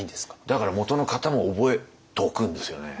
だからもとの型も覚えておくんですよね。